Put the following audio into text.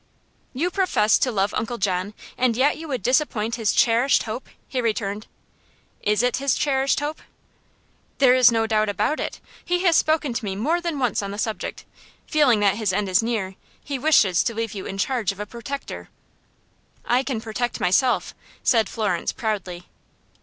"You profess to love Uncle John, and yet you would disappoint his cherished hope!" he returned. "Is it his cherished hope?" "There is no doubt about it. He has spoken to me more than once on the subject. Feeling that his end is near, he wishes to leave you in charge of a protector." "I can protect myself," said Florence, proudly.